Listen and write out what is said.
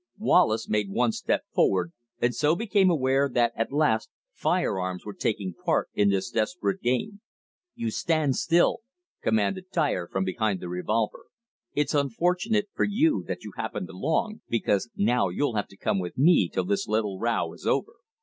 Wallace made one step forward and so became aware that at last firearms were taking a part in this desperate game. "You stand still," commanded Dyer from behind the revolver. "It's unfortunate for you that you happened along, because now you'll have to come with me till this little row is over.